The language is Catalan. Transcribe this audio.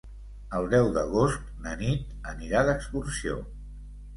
El deu d'agost na Nit anirà d'excursió.